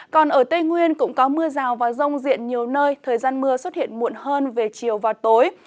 còn ở tây nguyên cũng có mưa rào và rông diện nhiều nơi thời gian mưa xuất hiện muộn hơn về chiều và tối